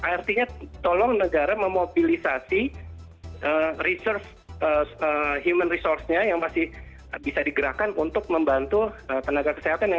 artinya tolong negara memobilisasi human resource nya yang masih bisa digerakkan untuk membantu tenaga kesehatan yang saat ini sedang berjuang